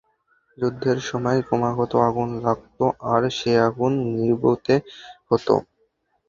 যুদ্ধের সময় ক্রমাগত আগুন লাগত, আর সে আগুন নিবুতে হত।